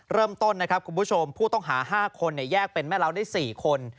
เริ่มต้นนะครับคุณผู้ชมผู้ต้องหา๕คนแยกเป็นแม่เล้าได้๔คน